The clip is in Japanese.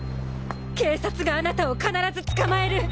警察があなたを必ず捕まえる。